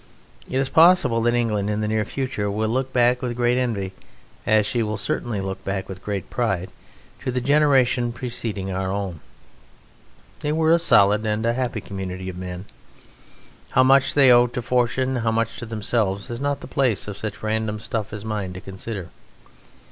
It is possible that England in the near future will look back with great envy, as she will certainly look back with great pride, to the generation preceding our own: they were a solid and a happy community of men. How much they owed to fortune, how much to themselves, it is not the place of such random stuff as mine to consider.